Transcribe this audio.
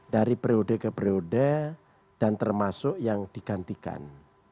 dari periode ke periode dan termasuk yang digantikan